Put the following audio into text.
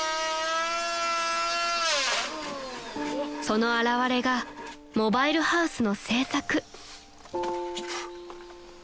［その表れがモバイルハウスの製作］